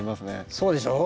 そうでしょう。